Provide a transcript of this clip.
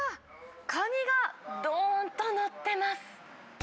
カニがどーんと載ってます。